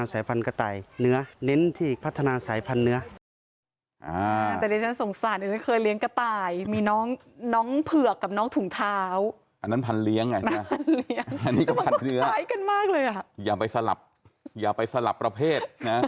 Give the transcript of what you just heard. อันนั้นพันเลี้ยงไงนะอันนี้ก็พันเนื้ออย่าไปสลับอย่าไปสลับประเภท